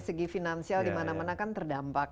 segi finansial dimana mana kan terdampak